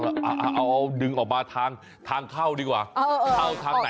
เอาให้ดึงออกมาทางทางเข้าดีกว่า